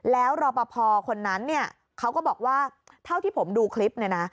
แล้วรอปภคนนั้นเนี่ยเขาก็บอกว่าเท่าที่ผมดูคลิปเนี่ยนะ